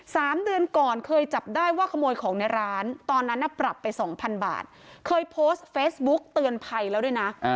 สามเดือนก่อนเคยจับได้ว่าขโมยของในร้านตอนนั้นน่ะปรับไปสองพันบาทเคยโพสต์เฟซบุ๊กเตือนภัยแล้วด้วยนะ